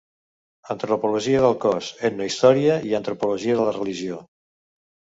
Antropologia del Cos, Etnohistòria i Antropologia de la Religió.